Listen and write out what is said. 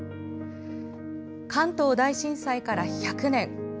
関東大震災から１００年。